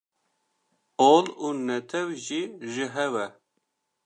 Ol û netew jî ji hev e.